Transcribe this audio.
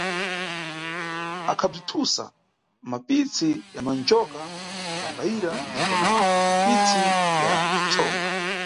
Akhabzithusira mapitsi ya manjoka, bambayira ndipo na mapitsi ya ntsomba.